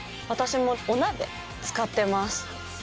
私もお鍋使ってます。